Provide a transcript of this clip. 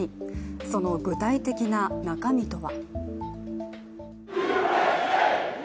その具体的な中身とは。